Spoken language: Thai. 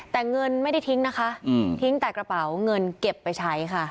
แต่เงินไม่ได้ทิ้งนะคะทิ้งแต่กระเป๋าเงินเก็บไปใช้ค่ะ